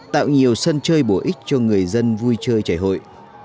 tạo nhiều sân chơi bổ ích cho người dân vui chơi trẻ hội